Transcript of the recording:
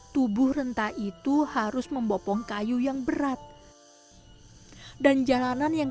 tuh uang buang